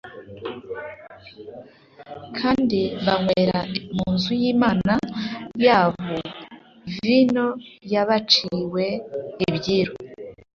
kandi banywera mu nzu y’Imana yabo vino y’abaciwe ibyiru.